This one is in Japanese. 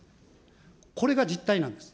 これが実態なんです。